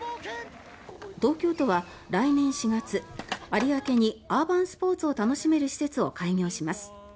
東京都は来年４月、有明にアーバンスポーツを楽しめる施設を開設します。